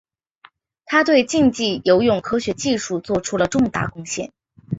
他对竞技游泳科学技术做出了重大贡献。